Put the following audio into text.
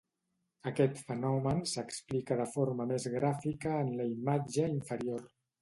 Aquest fenomen s’explica de forma més gràfica en la imatge inferior.